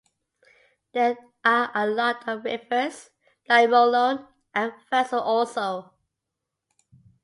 There are a lot of rivers, like Molone and Vaso Orso.